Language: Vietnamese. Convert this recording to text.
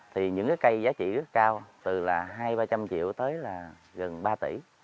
thì những cái cây giá trị rất cao từ là hai ba trăm linh triệu tới là gần ba tỷ